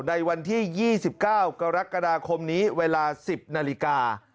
ในวันที่๒๙กรกฎาคมนี้เวลา๑๐นาฬิกา